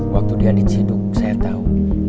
waktu dia diciduk saya tahu